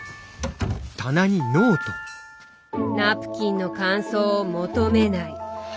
ナプキンの感想を求めない。